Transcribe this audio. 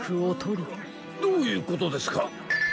どういうことですか！？